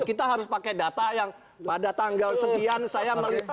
kita harus pakai data yang pada tanggal sekian saya melihat